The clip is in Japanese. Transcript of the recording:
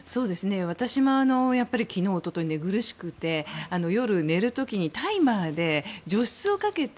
私も昨日、おととい寝苦しくて夜、寝る時にタイマーで除湿をかけて。